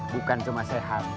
bukan cuma sehat